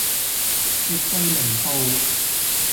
絕對零度